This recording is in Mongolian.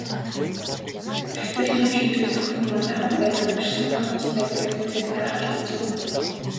Тэгтэл ийм шийтгэл зөвхөн манайханд байдаг биш сургуульд бас байдгийг үзээд гайхаж гүйцэв.